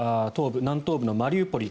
南東部のマリウポリ。